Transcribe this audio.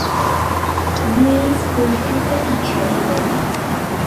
Luis, punkuta kichariway.